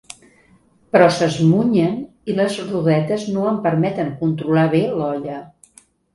Però s'esmunyen i les rodetes no em permeten controlar bé l'olla.